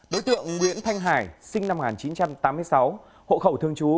đối tượng nguyễn thanh hải sinh năm một nghìn chín trăm tám mươi sáu hộ khẩu thương chú